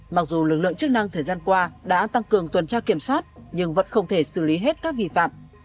mặc dù lực lượng chức năng thời gian qua đã tăng cường tuần tra kiểm soát nhưng vẫn không thể xử lý hết các vi phạm